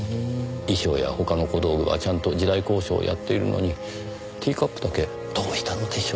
衣装や他の小道具はちゃんと時代考証をやっているのにティーカップだけどうしたのでしょう？